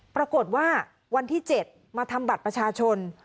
ปรากฏว่าวันที่๗มาทำบัตรประชาชน